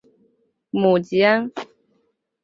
母吉安。